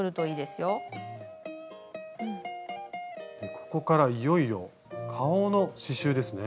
ここからいよいよ顔の刺しゅうですね。